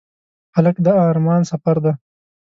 هلک د ارمان سفر دی.